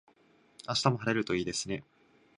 明日も晴れるといいですね。